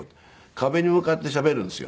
壁に向かってしゃべるんですよ。